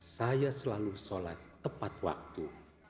saya selalu sholat tepat waktu